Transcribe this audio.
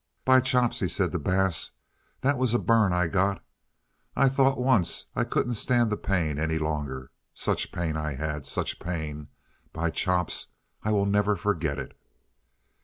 "By chops," he said to Bass, "that was a burn I got. I thought once I couldn't stand the pain any longer. Such pain I had! Such pain! By chops! I will never forget it."